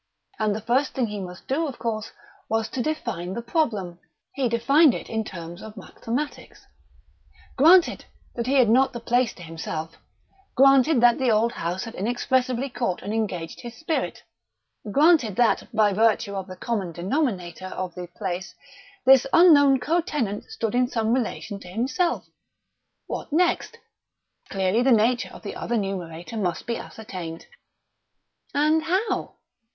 And the first thing he must do, of course, was to define the problem. He defined it in terms of mathematics. Granted that he had not the place to himself; granted that the old house had inexpressibly caught and engaged his spirit; granted that, by virtue of the common denominator of the place, this unknown co tenant stood in some relation to himself: what next? Clearly, the nature of the other numerator must be ascertained. And how?